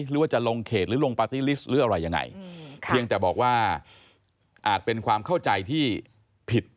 หรือว่าจะลงเขตหรือลงปาร์ตี้ลิสต์หรืออะไรยังไงเพียงแต่บอกว่าอาจเป็นความเข้าใจที่ผิด